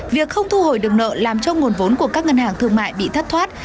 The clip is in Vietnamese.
việc không thu hồi được nợ làm cho nguồn vốn của các ngân hàng thương mại bị thất thoát